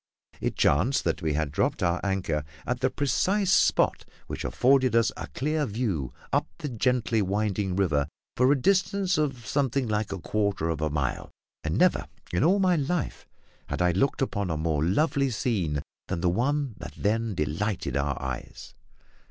It chanced that we had dropped our anchor at the precise spot which afforded us a clear view up the gently winding river for a distance of something like a quarter of a mile, and never in all my life had I looked upon a more lovely scene than the one that then delighted our eyes.